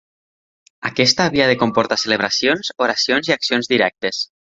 Aquesta havia de comportar celebracions, oracions i accions directes.